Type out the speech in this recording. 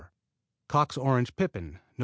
Cox's Orange Pippin Nov.